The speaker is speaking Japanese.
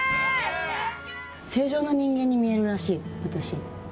正常な人間に見えるらしい、私。